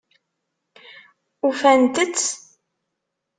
Ufant-t?